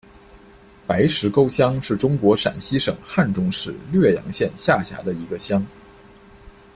白石沟乡是中国陕西省汉中市略阳县下辖的一个乡。